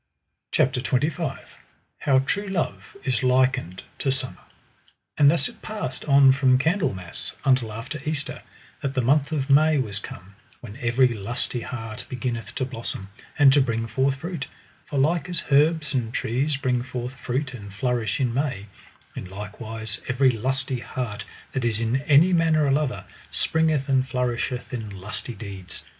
CHAPTER XXV. How true love is likened to summer. And thus it passed on from Candlemass until after Easter, that the month of May was come, when every lusty heart beginneth to blossom, and to bring forth fruit; for like as herbs and trees bring forth fruit and flourish in May, in like wise every lusty heart that is in any manner a lover, springeth and flourisheth in lusty deeds.